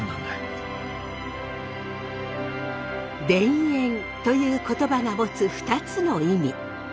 「田園」という言葉が持つ２つの意味。